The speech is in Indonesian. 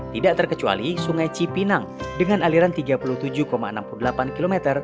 tidak terkecuali sungai cipinang dengan aliran tiga puluh tujuh enam puluh delapan km